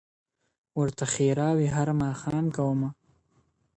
o ورته ښېراوي هر ماښام كومه.